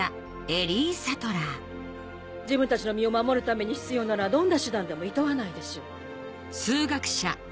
自分たちの身を守るために必要ならどんな手段でもいとわないでしょう。